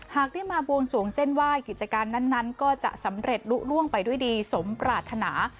หากได้มาบวงสวงเส้นไหว้กิจการนั้นก็จะสำเร็จลุล่วงไปด้วยดีสมปรารถนา